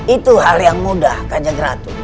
itu hal yang mudah kanjeng ratu